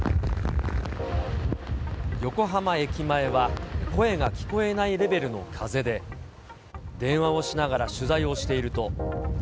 横浜駅前は声が聞こえないレベルの風で、電話をしながら取材をしていると。